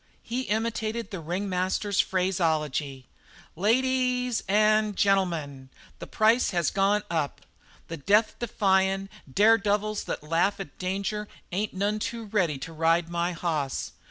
He imitated the ringmaster's phraseology. "La a a dies and gen'l'mun, the price has gone up. The 'death defyin', dare devils that laugh at danger' ain't none too ready to ride my hoss.